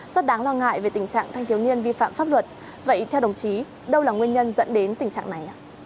rất đáng lo ngại về tình trạng thanh thiếu niên vi phạm pháp luật vậy theo đồng chí đâu là nguyên nhân dẫn đến tình trạng này